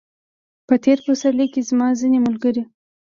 په تېر پسرلي کې زما ځینې ملګري